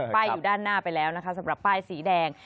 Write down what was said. อยู่ด้านหน้าไปแล้วนะคะสำหรับป้ายสีแดง